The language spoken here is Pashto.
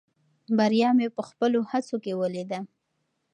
بریا مې په خپلو هڅو کې ولیده.